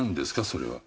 それは。